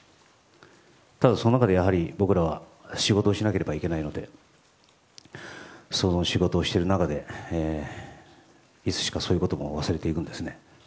ただその中でやはり僕らは仕事をしなければいけないのでその仕事をしてる中でいつしかそういうことも忘れていくんですね。